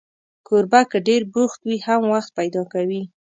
کوربه که ډېر بوخت وي، هم وخت پیدا کوي.